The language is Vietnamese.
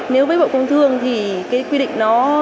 nếu với bộ công thương thì quy định nó